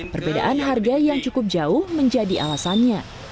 perbedaan harga yang cukup jauh menjadi alasannya